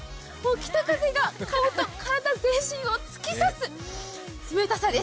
北風が顔と体を突き刺す冷たさです。